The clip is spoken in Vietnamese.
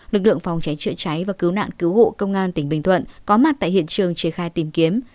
lực lượng phòng cháy chữa cháy và cứu nạn cứu hộ công an tỉnh bình thuận có mặt tại hiện trường triển khai tìm kiếm